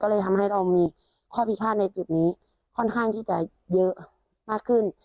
ก็เลยทำให้เรามีข้อพิพาทในจุดนี้ค่อนข้างที่จะเยอะมากขึ้น